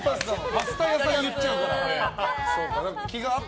パスタ屋さんになっちゃうから。